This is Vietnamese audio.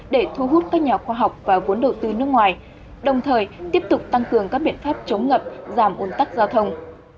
để thu hút các nhà khoa học và vốn đầu tư nước ngoài đồng thời tiếp tục tăng cường các biện pháp chống ngập giảm ồn tắc giao thông